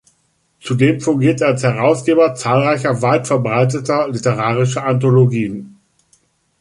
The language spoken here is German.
Zudem fungierte er als Herausgeber zahlreicher weit verbreiteter literarischer Anthologien.